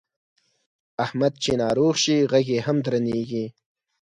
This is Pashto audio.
احمد چې ناروغ شي غږ یې هم درنېږي.